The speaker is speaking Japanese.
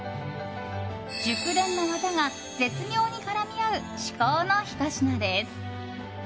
熟練の技が絶妙に絡み合う至高のひと品です。